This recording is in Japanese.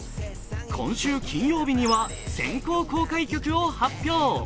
今週金曜日には先行公開曲を発表。